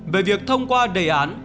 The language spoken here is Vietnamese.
về việc thông qua đề án